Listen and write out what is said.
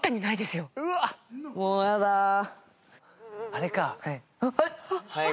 あれか。